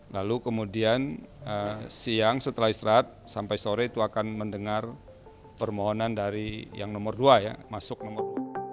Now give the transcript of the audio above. lalu kemudian siang setelah istirahat sampai sore itu akan mendengar permohonan dari yang nomor dua ya masuk nomor dua